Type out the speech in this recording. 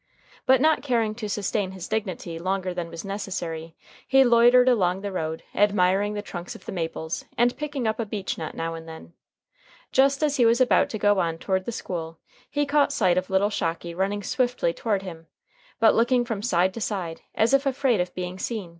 But not caring to sustain his dignity longer than was necessary, he loitered along the road, admiring the trunks of the maples, and picking up a beech nut now and then. Just as he was about to go on toward the school, he caught sight of little Shocky running swiftly toward him, but looking from side to side, as if afraid of being seen.